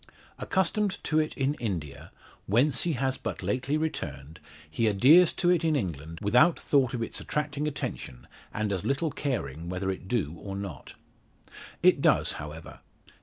Accustomed to it in India whence he has but lately returned he adheres to it in England without thought of its attracting attention and as little caring whether it do or not. It does, however.